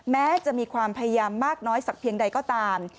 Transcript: แม้จะมีความพยายามมากน้อยสักเพียงใดก็ตาม